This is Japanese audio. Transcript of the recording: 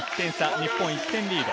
日本、１点リード。